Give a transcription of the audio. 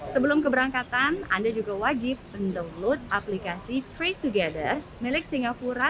sebelum keberangkatan anda juga wajib mendownload aplikasi trace togethers milik singapura